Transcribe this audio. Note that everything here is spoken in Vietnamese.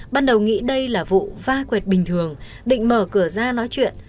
ban đầu nghĩ đây là vụ va quệt bình thường định mở cửa ra nói chuyện